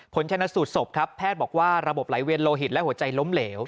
ชนะสูตรศพครับแพทย์บอกว่าระบบไหลเวียนโลหิตและหัวใจล้มเหลว